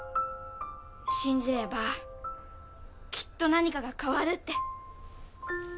信じればきっと何かが変わるって。